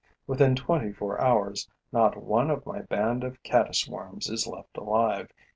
Within twenty four hours, not one of my band of caddis worms is left alive.